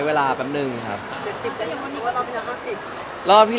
แล้วถ่ายละครมันก็๘๙เดือนอะไรอย่างนี้